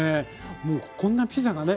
もうこんなピザがね